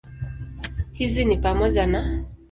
Hizi ni pamoja na